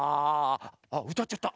あっうたっちゃった。